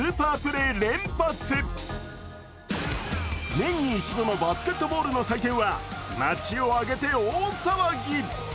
年に１度のバスケットボールの祭典は街を挙げて大騒ぎ。